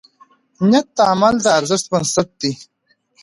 نیت د عمل د ارزښت بنسټ دی.